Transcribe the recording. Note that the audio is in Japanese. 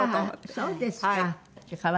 そうですか。